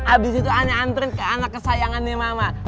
abis itu aneh anturin ke anak kesayangan mama